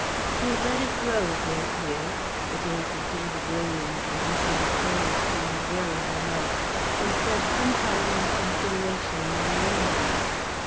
She had let it grow of late years the days of David Williams and Mr. Michaelis seemed very remote and spent some time and consideration in arranging it.